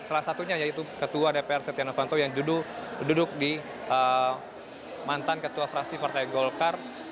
salah satunya yaitu ketua dpr setia novanto yang duduk di mantan ketua fraksi partai golkar